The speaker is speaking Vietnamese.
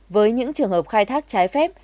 với những trường hợp khai thác trái phép